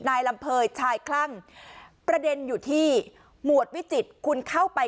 นายลำเภยชายคลั่งประเด็นอยู่ที่หมวดวิจิตรคุณเข้าไป